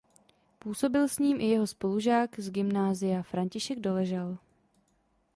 Působil s ním i jeho spolužák z gymnázia František Doležal.